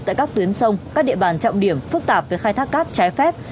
tại các tuyến sông các địa bàn trọng điểm phức tạp về khai thác cát trái phép